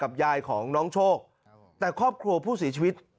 กับยายของน้องโชคน้องโชคแต่ครอบครัวผู้สีชีวิต